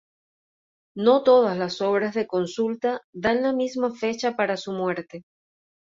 No todas las obras de consulta dan la misma fecha para su muerte.